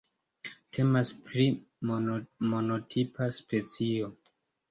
Temas pri monotipa specio.